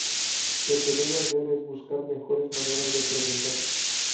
Lo que debe hacer es buscar mejores maneras de preguntar.